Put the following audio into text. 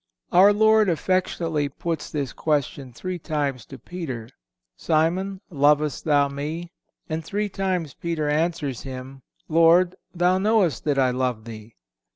Our Savior affectionately puts this question three times to Peter: "Simon, lovest thou Me?" And three times Peter answers Him, "Lord, Thou knowest that I love Thee."